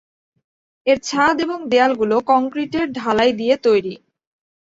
এর ছাদ এবং দেয়ালগুলো কংক্রিটের ঢালাই দিয়ে তৈরি।